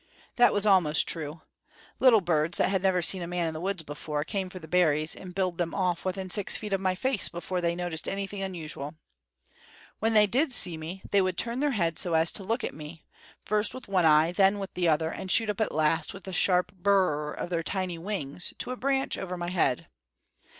That was almost true. Little birds, that had never seen a man in the woods before, came for the berries and billed them off within six feet of my face before they noticed anything unusual. When they did see me they would turn their heads so as to look at me, first with one eye, then with the other, and shoot up at last, with a sharp Burr! of their tiny wings, to a branch over my head.